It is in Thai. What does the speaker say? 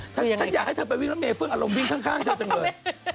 ฉันอยากให้เธอไปวิ่งรถเมยเฟื่องอารมณ์วิ่งข้างเธอจังเลย